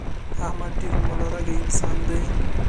احمد ډېر ملا رګی انسان دی.